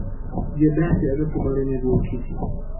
یہ بحث ادب کے بارے میں بھی اٹھی تھی۔